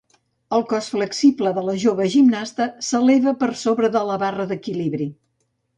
El cos flexible de la jove gimnasta s'eleva per sobre de la barra d'equilibri.